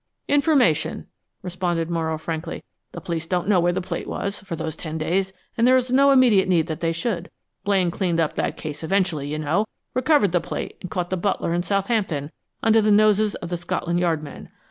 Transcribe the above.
"Information," responded Morrow, frankly. "The police don't know where the plate was, for those ten days, and there's no immediate need that they should. Blaine cleaned up that case eventually, you know recovered the plate and caught the butler in Southampton, under the noses of the Scotland Yard men.